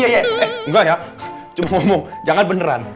eh enggak ya cuma ngomong jangan beneran